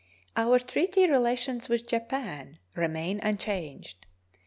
Our treaty relations with Japan remain unchanged.